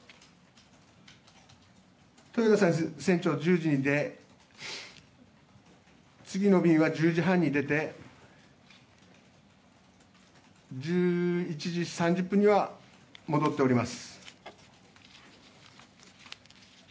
豊田船長は１０時に出て次の便は１０時半に出て１１時３０分には戻っております。